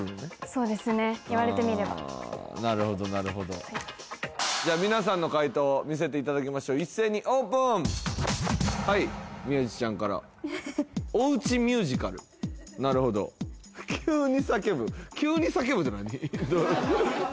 そうですね言われてみればなるほどなるほどじゃ皆さんの解答見せていただきましょう一斉にオープンはい宮治ちゃんからお家ミュージカルなるほど急に叫ぶ急に叫ぶって何？